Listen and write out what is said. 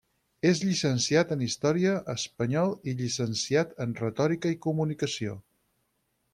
És llicenciat en història, espanyol i llicenciat en retòrica i comunicació.